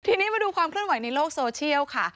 ทีนี้มาดูความเคลื่อนไหวในโลกโซเชียลค่ะ